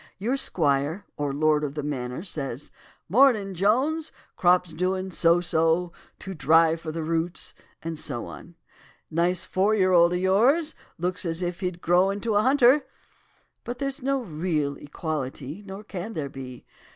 Your squire, or lord of the manor, says 'Mornin', Jones! crops doin' so so, too dry for the roots,' and so on. 'Nice four year old of yours. Looks as if he'd grow into a hunter.' But there's no real equality, nor can there be.